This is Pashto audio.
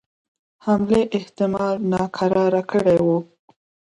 حملې احتمال ناکراره کړي وه.